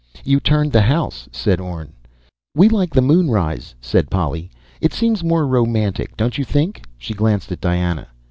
"You turned the house," said Orne. "We like the moonrise," said Polly. "It seems more romantic, don't you think?" She glanced at Diana.